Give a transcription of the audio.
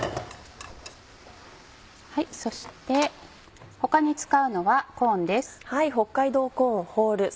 そして他に使うのはコーンです。